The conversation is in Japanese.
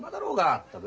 ったく。